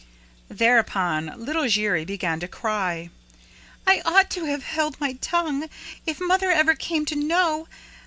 Thereupon little Giry began to cry. "I ought to have held my tongue if mother ever came to know!